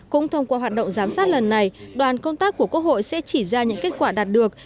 cũng thông qua hoạt động giám sát lần này đoàn công tác của quốc hội sẽ chỉ ra những kết quả đạt được